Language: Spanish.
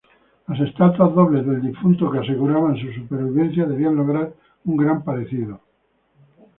Las estatuas dobles del difunto, que aseguraban su supervivencia, debían lograr un gran parecido.